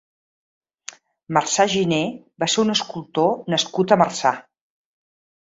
Marçà-Giné va ser un escultor nascut a Marçà.